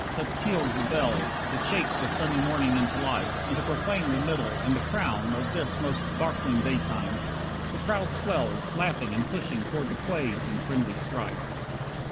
Such peals of bells, To shake the sunny morning into life, And to proclaim the middle, and the crown, Of this most sparkling daytime! The crowd swells, Laughing and pushing toward the quays in friendly strife.